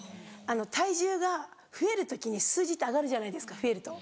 体重が増える時に数字って上がるじゃないですか増えると。